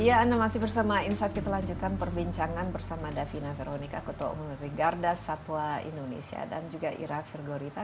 iya anda masih bersama insight kita lanjutkan perbincangan bersama davina veronika kutu omniri gardas satwa indonesia dan juga ira virgorita